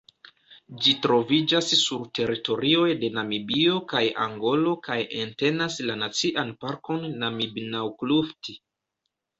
Ĝi troviĝas sur teritorioj de Namibio kaj Angolo kaj entenas la Nacian Parkon Namib-Naukluft.